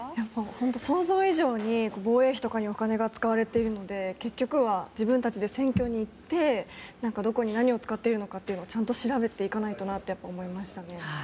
本当に想像以上に防衛費とかにお金が使われているので結局は自分たちで選挙に行ってどこに何を使っているのかちゃんと調べていかないとなと思いましたね。